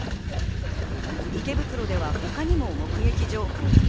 池袋では他にも目撃情報が。